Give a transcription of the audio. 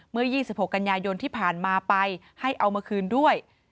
เมื่อ๒๖กันยายนที่ผ่านมาไปให้เอามาคืนด้วย